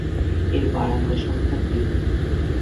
এর বারান্দা সংখ্যা তিন।